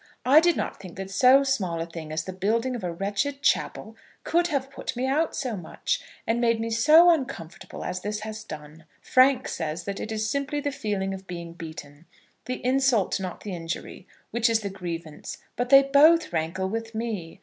I did not think that so small a thing as the building of a wretched chapel could have put me out so much, and made me so uncomfortable as this has done. Frank says that it is simply the feeling of being beaten, the insult not the injury, which is the grievance; but they both rankle with me.